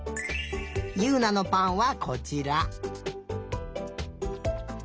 ゆうなのぱんはこちら。